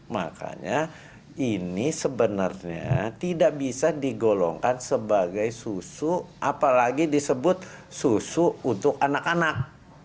makanya ini sebenarnya tidak bisa digolongkan sebagai susu apalagi disebut susu untuk anak anak